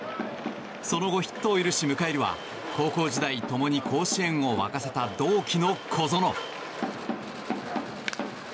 その後、ヒットを許し迎えるは高校時代、共に甲子園を沸かせた同期の小園。